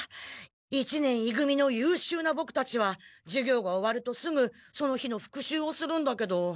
一年い組のゆうしゅうなボクたちは授業が終わるとすぐその日の復習をするんだけど。